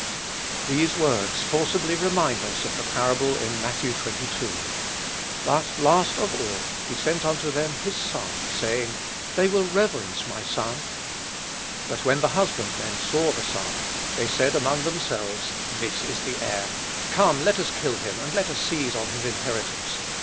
These words forcibly remind us of the parable in Matthew xxii. "But, last of all, he sent unto them his son, saying, They will reverence my son. But when the husbandmen saw the son, they said among themselves, This is the heir, come let us kill him, and let us seize on his inheritance.